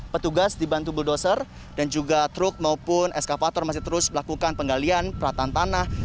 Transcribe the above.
petugas dibantu bulldozer dan juga truk maupun eskapator masih terus melakukan penggalian peratan tanah